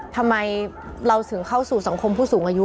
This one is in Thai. ทำไมเราถึงเข้าสู่สังคมผู้สูงอายุ